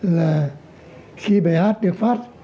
là khi bài hát được phát